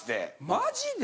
マジで。